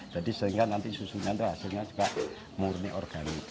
jadi sehingga nanti susunya itu hasilnya juga murni organik